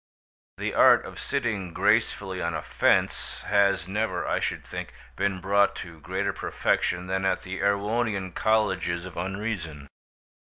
The art of sitting gracefully on a fence has never, I should think, been brought to greater perfection than at the Erewhonian Colleges of Unreason.